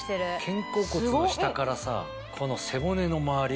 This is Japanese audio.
肩甲骨の下からさこの背骨の周り